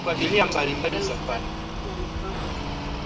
Mashariki ya nchi huwa na tambarare zenye